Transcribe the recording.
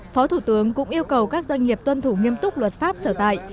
phó thủ tướng cũng yêu cầu các doanh nghiệp tuân thủ nghiêm túc luật pháp sở tại